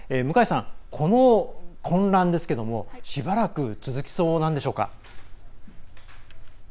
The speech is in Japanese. この混乱ですけどしばらく続きそうなんでしょうか。